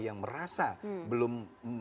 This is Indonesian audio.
yang merasa belum